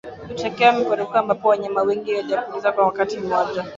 Hutokea kwa mikurupuko ambapo wanyama wengi huambukizwa kwa wakati mmoja